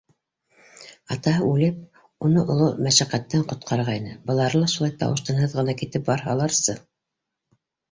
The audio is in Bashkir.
Атаһы үлеп, уны оло мәшәҡәттән ҡотҡарғайны, былары ла шулай тауыш- тынһыҙ ғына китеп барһаларсы...